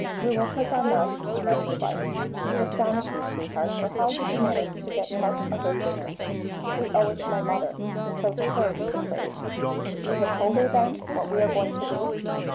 We will take our mess whenever you like." "You astonish me, sweetheart, for how did you manage to get such a good dinner?" "We owe it to my mother, so to her be the praise." "You have told her, then, what we are going to do?"